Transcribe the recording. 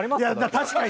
確かに。